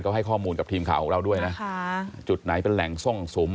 ก็ให้ข้อมูลกับทีมข่าวของเราด้วยนะจุดไหนเป็นแหล่งซ่องสุม